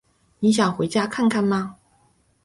你想回家看看吗？